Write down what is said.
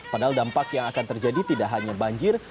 padahal dampak yang akan terjadi tidak hanya banjir